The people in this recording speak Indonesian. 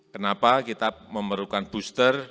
kenapa kita memerlukan booster